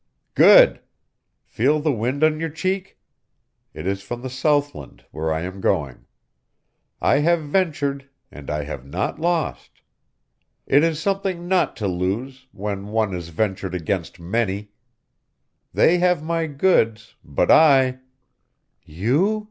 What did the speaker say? "Good! Feel the wind on your cheek? It is from the Southland, where I am going. I have ventured and I have not lost! It is something not to lose, when one has ventured against many. They have my goods but I " "You?"